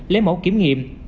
lấy mẫu kiểm nghiệm